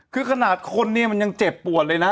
คือขนาดคนเนี่ยมันยังเจ็บปวดเลยนะ